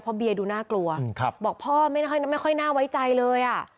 เพราะเบียดูน่ากลัวบอกพ่อไม่ค่อยน่าไว้ใจเลยอ่ะ